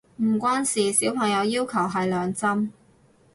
唔關事，小朋友要求係兩針